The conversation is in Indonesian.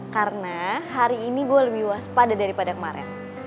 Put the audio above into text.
karena hari ini gue lebih waspada daripada kemaren